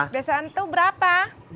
biasa itu berapa